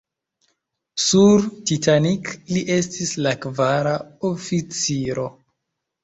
Sur "Titanic" li estis la kvara oficiro.